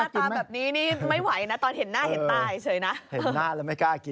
ใช่